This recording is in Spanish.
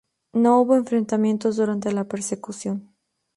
No hubo enfrentamientos durante la persecución.